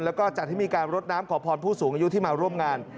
แล้วก็จัดให้มีการรดน้ำขอพรผู้สูงอายุที่มาร่วมงาน